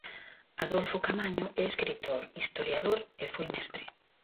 Adolfo Caamaño é escritor, historiador e foi mestre.